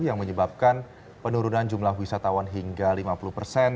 yang menyebabkan penurunan jumlah wisatawan hingga lima puluh persen